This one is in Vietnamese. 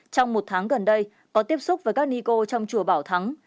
trong một tháng gần đây có tiếp xúc với các ni cô trong chùa bảo thắng